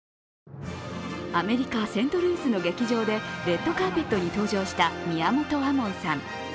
アメリカ・セントルイスの劇場でレッドカーペットに登場した宮本亞門さん。